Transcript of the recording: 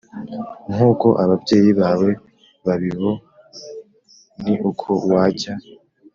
nk uko ababyeyi bawe babibo Ni uko wajya